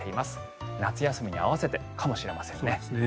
夏休みに合わせてかもしれませんね。